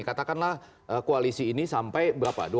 katakanlah koalisi ini sampai berapa